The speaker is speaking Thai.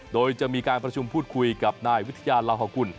โดยจะมีการประชุมพูดคุยกับนายวิทยาลาฮกุล